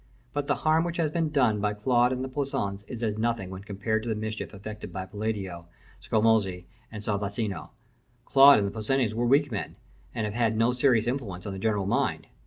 But the harm which has been done by Claude and the Poussins is as nothing when compared to the mischief effected by Palladio, Scamozzi, and Sansovino. Claude and the Poussins were weak men, and have had no serious influence on the general mind.